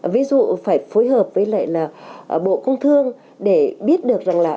ví dụ phải phối hợp với lại là bộ công thương để biết được rằng là